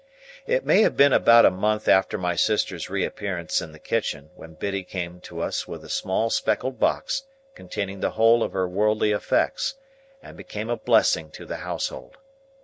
It may have been about a month after my sister's reappearance in the kitchen, when Biddy came to us with a small speckled box containing the whole of her worldly effects, and became a blessing to the household.